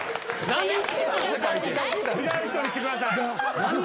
・違う人にしてください。